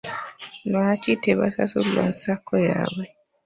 Lwaki tebasasulwa nsako yaabwe.